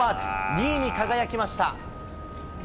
２位に輝きました。